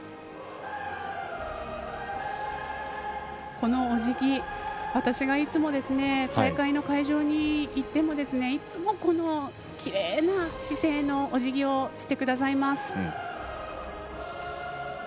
このお辞儀、私がいつも大会の会場に行ってもいつも、このきれいな姿勢のおじぎをしてくださいます。